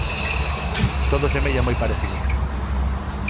Todo semella moi parecido.